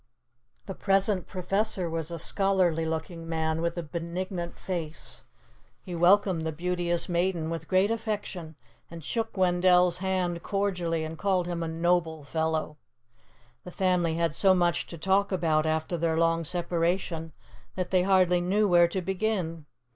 The present professor was a scholarly looking man with a benignant face. He welcomed the Beauteous Maiden with great affection, and shook Wendell's hand cordially and called him a noble fellow. The family had so much to talk about, after their long separation, that they hardly knew where to begin.